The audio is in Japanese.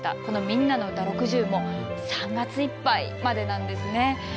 この「みんなのうた６０」も３月いっぱいまでなんですね。